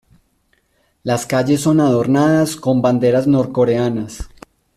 Las calles son adornadas con banderas norcoreanas.